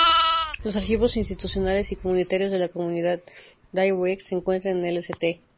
Los archivos institucionales y comunitarios de la comunidad Daybreak se encuentran en el St.